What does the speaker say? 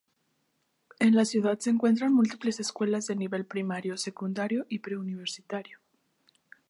En la ciudad se encuentran múltiples escuelas de nivel primario, secundario y preuniversitario.